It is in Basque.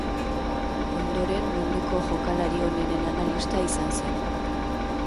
Ondoren, munduko jokalari onenen analista izan zen.